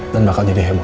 dan bakal jadi heboh